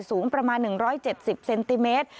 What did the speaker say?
สูงประมาณ๑๗๐เซนติเมตร